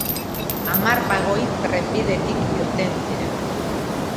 Hamar bagoi trenbidetik irten ziren.